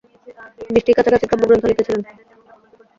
বিশটি কাছাকাছি কাব্যগ্রন্থ লিখেছিলেন।